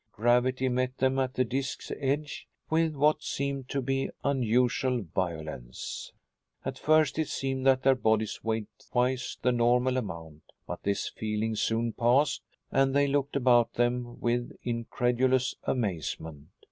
Gravity met them at the disc's edge with what seemed to be unusual violence. At first it seemed that their bodies weighed twice the normal amount, but this feeling soon passed and they looked about them with incredulous amazement.